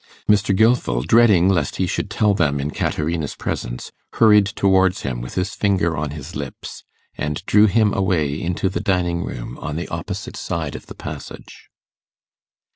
Mr. Gilfil, dreading lest he should tell them in Caterina's presence, hurried towards him with his finger on his lips, and drew him away into the dining room on the opposite side of the passage.